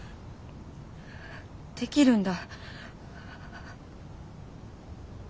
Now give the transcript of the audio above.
できるんだ。